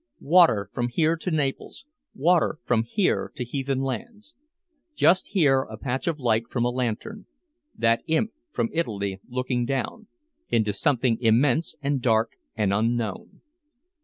Water from here to Naples, water from here to heathen lands. Just here a patch of light from a lantern. That imp from Italy looking down into something immense and dark and unknown.